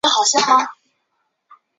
自此他与其他英格兰天主教徒同住。